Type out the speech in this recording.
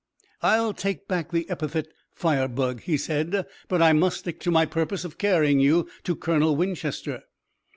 "I'll take back the epithet 'firebug,'" he said, "but I must stick to my purpose of carrying you to Colonel Winchester."